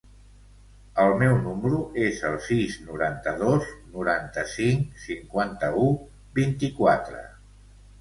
El meu número es el sis, noranta-dos, noranta-cinc, cinquanta-u, vint-i-quatre.